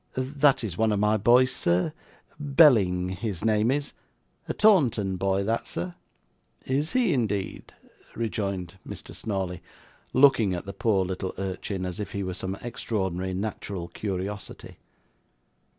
That is one of my boys, sir. Belling his name is, a Taunton boy that, sir.' 'Is he, indeed?' rejoined Mr. Snawley, looking at the poor little urchin as if he were some extraordinary natural curiosity.